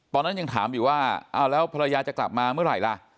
ตอนนั้นยังถามอยู่ว่าอ้าวแล้วภรรยาจะกลับมาเมื่อไหร่ล่ะ